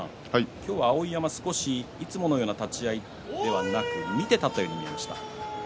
今日は碧山いつものような立ち合いではなく見て立ったように見えました。